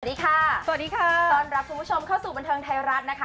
สวัสดีค่ะสวัสดีค่ะต้อนรับคุณผู้ชมเข้าสู่บันเทิงไทยรัฐนะคะ